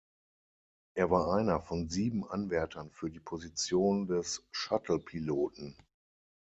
Er war einer von sieben Anwärtern für die Position des Shuttle-Piloten.